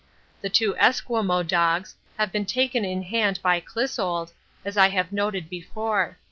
The two Esquimaux dogs have been taken in hand by Clissold, as I have noted before.